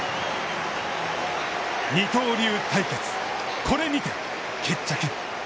二刀流対決、これにて決着。